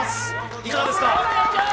いかがですか？